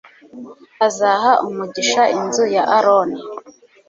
azaha umugisha inzu ya Aroni